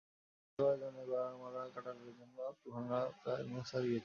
ডাক্তারি শেখবার গোড়ায় মড়া কাটবার সময় ঘৃণায় প্রায় মূর্ছা গিয়েছিলুম।